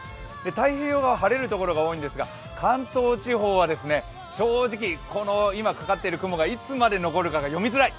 太平洋側は晴れる所が多いんですが関東地方は、正直、今かかっている雲がいつまで残るかが分かりづらい。